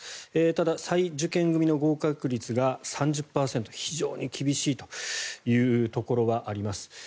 ただ、再受験組の合格率が３０％で非常に厳しいところがあります。